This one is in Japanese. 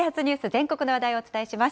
全国の話題をお伝えします。